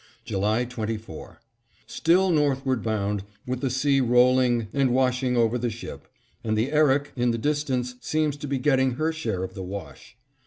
July 24: Still northward bound, with the sea rolling and washing over the ship; and the Erik in the distance seems to be getting her share of the wash.